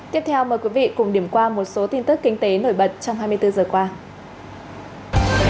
tiếp theo mời quý vị cùng điểm qua một số tin tức kinh tế